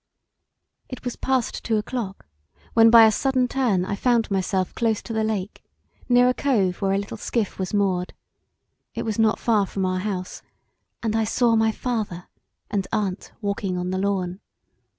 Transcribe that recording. It was past two o'clock when by a sudden turn I found myself close to the lake near a cove where a little skiff was moored It was not far from our house and I saw my father and aunt walking on the lawn.